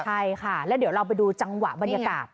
ใช่ค่ะแล้วเดี๋ยวเราไปดูจังหวะบรรยากาศ